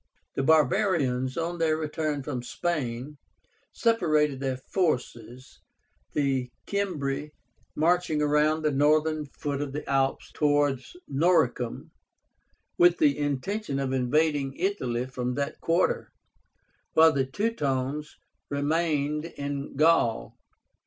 The barbarians, on their return from Spain, separated their forces, the Cimbri marching around the northern foot of the Alps towards Noricum, with the intention of invading Italy from that quarter, while the Teutones remained in Gaul.